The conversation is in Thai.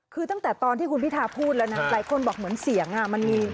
คือตั้งแต่ตอนที่คุณพิทาพูดแล้วนะหลายคนบอกเหมือนเสียงมันมี